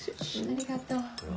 ありがとう。